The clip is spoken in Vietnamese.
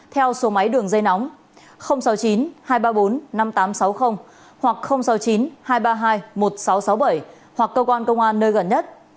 theo số máy đường dây nóng sáu mươi chín hai trăm ba mươi bốn năm nghìn tám trăm sáu mươi hoặc sáu mươi chín hai trăm ba mươi hai một nghìn sáu trăm sáu mươi bảy hoặc cơ quan công an nơi gần nhất